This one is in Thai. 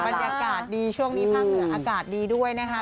บรรยากาศดีช่วงนี้ภาคเหนืออากาศดีด้วยนะคะ